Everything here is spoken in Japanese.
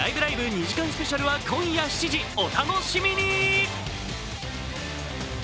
２時間スペシャルは今夜７時お楽しみに！